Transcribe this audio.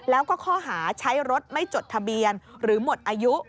แล้วก็ข้อหาใช้รถไม่จดทะเบียนหรือหมดอายุ